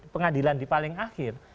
pengadilan di paling akhir